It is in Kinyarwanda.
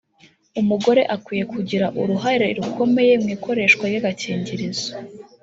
umugore akwiye kugira uruhare rukomeye mu ikoreshwa ry’agakingirizo